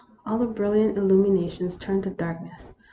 All the brilliant illuminations turned to darkness.